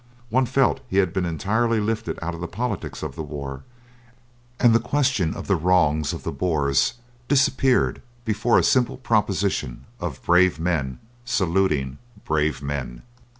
One felt he had been entirely lifted out of the politics of the war, and the question of the wrongs of the Boers disappeared before a simple propostiton of brave men saluting brave men.